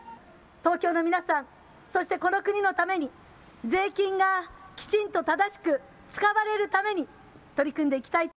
東京の皆さん、そしてこの国のために税金がきちんと正しく使われるために取り組んでいきたい。